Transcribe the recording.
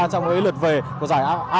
trong lượt về của giải